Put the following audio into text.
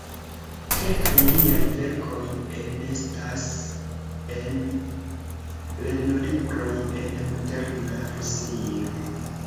Kelkaj liaj verkoj enestas en lernolibroj en moderna Rusio.